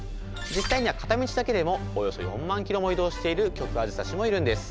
実際には片道だけでもおよそ４万キロも移動しているキョクアジサシもいるんです。